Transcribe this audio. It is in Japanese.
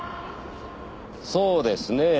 そうですねぇ。